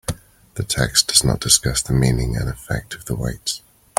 The text does not discuss the meaning and effect of the weights.